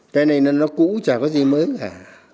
cái này nó cũ chả có gì mới cả